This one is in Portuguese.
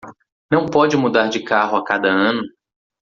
Não pode mudar de carro a cada ano